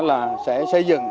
là sẽ xây dựng